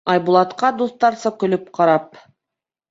Айбулатҡа дуҫтарса көлөп ҡарап: